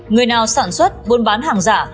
người nào sản xuất buôn bán hàng giả